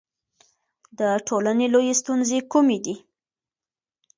د ټولنې لویې ستونزې کومې دي؟